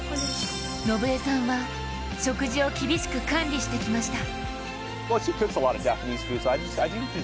伸江さんは食事を厳しく管理してきました。